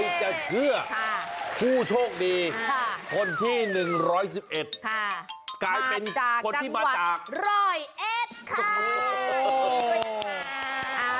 ให้จะเชื่อผู้โชคดีคนที่๑๑๑ค่ะมาจากจังหวัด๑๐๐ค่ะขอบคุณค่ะ